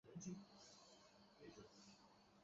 开凿和竖立方尖碑是一项艰巨工程。